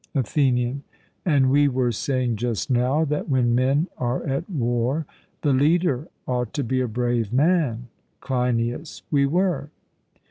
ATHENIAN: And we were saying just now, that when men are at war the leader ought to be a brave man? CLEINIAS: We were.